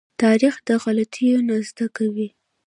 تاریخ د غلطيو نه زده کوي.